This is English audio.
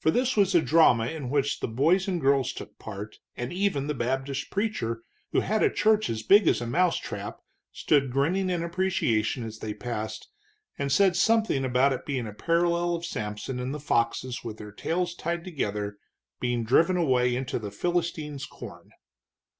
For this was a drama in which the boys and girls took part, and even the Baptist preacher, who had a church as big as a mouse trap, stood grinning in appreciation as they passed, and said something about it being a parallel of Samson, and the foxes with their tails tied together being driven away into the Philistines' corn.